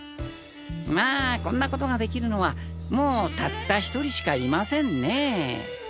まぁこんな事が出来るのはもうたった１人しかいませんねぇ。